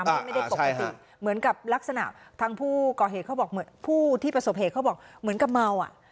ไม่ได้ปกติเหมือนกับลักษณะทางผู้ก่อเหตุเขาบอกเหมือนผู้ที่ประสบเหตุเขาบอกเหมือนกับเมาอ่ะ